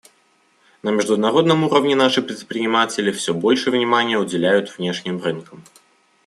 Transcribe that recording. На международном уровне наши предприниматели все больше внимания уделяют внешним рынкам.